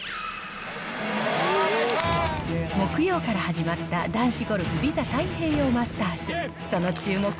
木曜から始まった男子ゴルフＶＩＳＡ太平洋マスターズ。